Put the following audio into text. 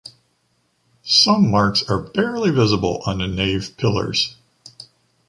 Some marks are barely visible on the nave pillars.